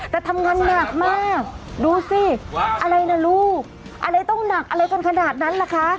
แต่ทำงานหนักมากดูสิอะไรนะลูกอะไรต้องหนักอะไรกันขนาดนั้นล่ะคะ